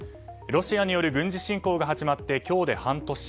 ロシアによる軍事侵攻が始まって今日で半年。